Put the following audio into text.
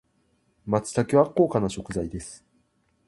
松茸は高価な食材です。